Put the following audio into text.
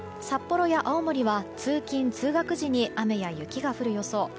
札幌や青森は通勤・通学時に雨や雪が降る予想。